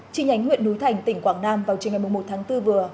chi nhánh huyện núi thành tỉnh quảng nam vào trên ngày một mươi một tháng bốn vừa